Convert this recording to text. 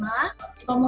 dan kemudian ketika sahur